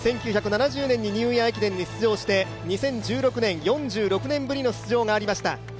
１９７０年にニューイヤー駅伝に出場して２０１６年、４６年ぶりの出場がありました。